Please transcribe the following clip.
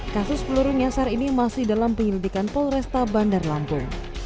kasus peluru nyasar ini masih dalam penyelidikan polresta bandar lampung